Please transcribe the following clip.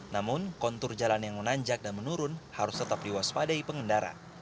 namun kontur jalan yang menanjak dan menurun harus tetap diwaspadai pengendara